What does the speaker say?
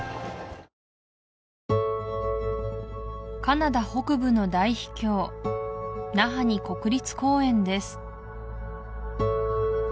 カナダ北部の大秘境ナハニ国立公園です